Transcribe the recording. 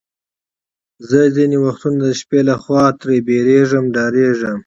زه ځینې وختونه د شپې له خوا ترې بیریږم، ډارېږم.